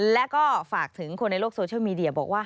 แล้วก็ฝากถึงคนในโลกโซเชียลมีเดียบอกว่า